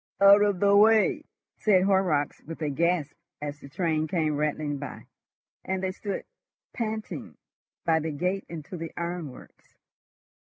"Out of the way," said Horrocks, with a gasp, as the train came rattling by, and they stood panting by the gate into the ironworks.